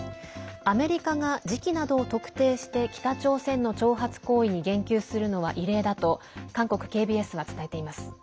アメリカが時期などを特定して北朝鮮の挑発行為に言及するのは異例だと韓国ＫＢＳは伝えています。